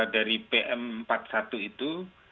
dari pm empat puluh satu itu